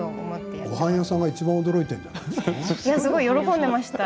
ごはん屋さんがいちばん驚いているんじゃないですか？